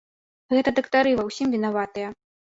Гэта дактары ва ўсім вінаватыя.